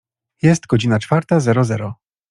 Jest godzina czwarta zero zero.